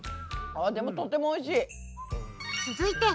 あでもとてもおいしい。